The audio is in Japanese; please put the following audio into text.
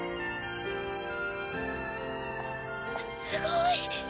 すごい！